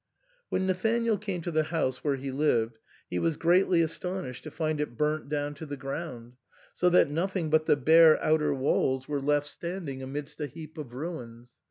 When Nathanael came to the house where he lived he was greatly astonished to find it burnt down to the ground, so that nothing but the bare outer walls were 196 THE SAND'MAN. left standing amidst a heap of ruins.